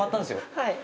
はい。